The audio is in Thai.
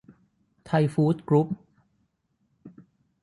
ไทยฟู้ดส์ กรุ๊ป